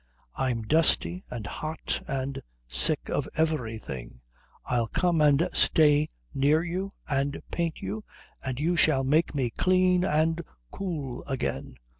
I'm dusty and hot and sick of everything. I'll come and stay near you and paint you, and you shall make me clean and cool again."